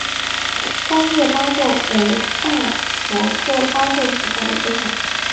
光叶巴豆为大戟科巴豆属下的一个种。